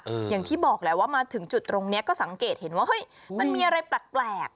อย่างที่บอกแหละว่ามาถึงจุดตรงเนี้ยก็สังเกตเห็นว่าเฮ้ยมันมีอะไรแปลกแปลก